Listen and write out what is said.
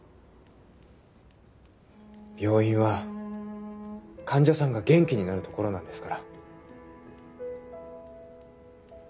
病院は患者さんが元気になる所なんですから。